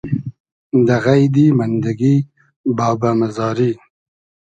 دۂ غݷدی مئندئگی بابۂ مئزاری